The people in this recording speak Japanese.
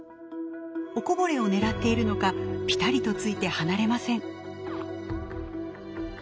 おこぼれを狙っているのかぴたりとついて離れません。